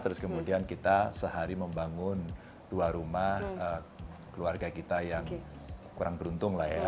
terus kemudian kita sehari membangun dua rumah keluarga kita yang kurang beruntung lah ya